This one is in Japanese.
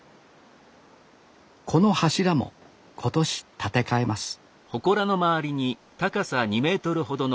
この柱も今年建て替えます